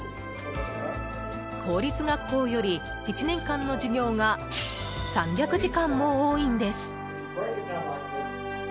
公立学校より、１年間の授業が３００時間も多いんです。